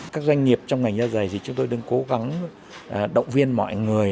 các doanh nghiệp trong ngành da dày thì chúng tôi đang cố gắng động viên mọi người